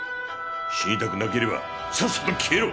死にたくなければさっさと消えろ。